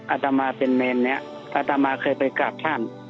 อาตมาเป็นเมนนี้อัตมาเคยไปกราบท่าน